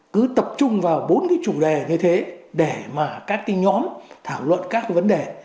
cứ tập trung vào bốn cái chủ đề như thế để mà các cái nhóm thảo luận các cái vấn đề